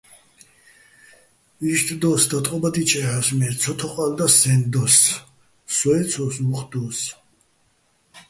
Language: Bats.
იშტ დო́ს, დატყობადიჩეჰ̦ას, მე ცოთოყალ და სეჼ დოს, სო ეცო́ს, უ̂ხ დო́ს.